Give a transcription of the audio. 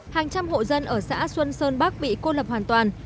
hàng trăm hộ dân ở xã xuân sơn bắc bị cô lập hoàn toàn